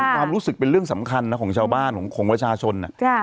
ความรู้สึกเป็นเรื่องสำคัญนะของชาวบ้านของประชาชน